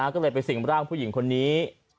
ก็เลยไปสิ่งร่างผู้หญิงคนนี้